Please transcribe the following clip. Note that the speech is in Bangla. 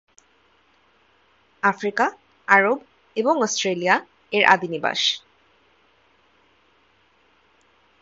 আফ্রিকা, আরব এবং অস্ট্রেলিয়া এর আদি নিবাস।